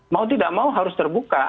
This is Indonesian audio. mau tidak mau harus terbuka